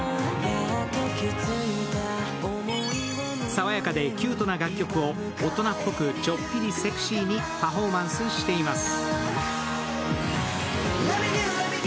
さわやかでキュートな楽曲を大人っぽくちょっぴりセクシーにパフォーマンスしています。